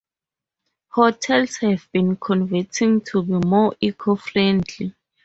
Hotels have been converting to be more eco-friendly.